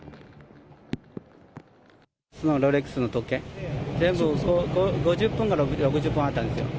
普通のロレックスの時計、全部で５０本か６０本あったんですよ。